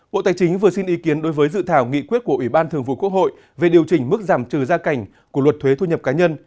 bộ tài chính vừa xin ý kiến đối với dự thảo nghị quyết của ủy ban thường vụ quốc hội về điều chỉnh mức giảm trừ gia cảnh của luật thuế thu nhập cá nhân